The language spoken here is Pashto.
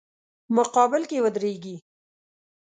مقابل کې ودریږي.